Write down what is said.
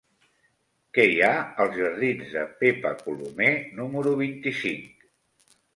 Què hi ha als jardins de Pepa Colomer número vint-i-cinc?